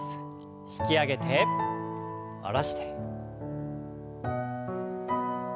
引き上げて下ろして。